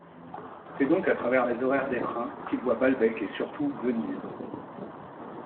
C'est donc à travers les horaires des trains qu'il voit Balbec et surtout Venise.